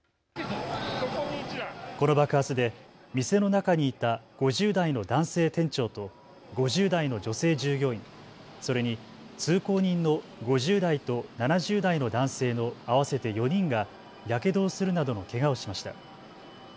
この爆発で店の中にいた５０代の男性店長と５０代の女性従業員、それに通行人の５０代と７０代の男性の合わせて４人がやけどをするなどのけがをしました。